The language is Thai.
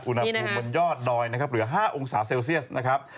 อุณหภูมิบนยอดดอยนะครับเหลือ๕องศาเซลเซียสนะครับ